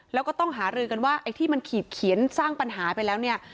แล้วก็ต้องหารือกันว่าไอ้ที่มันขีดเขียนสร้างปัญหาไปแล้วเนี่ย